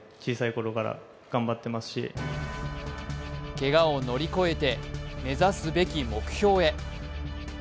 けがを乗り越えて目指すべき目標へ。